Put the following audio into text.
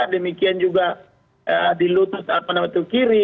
demikian juga dilutut apa namanya itu kiri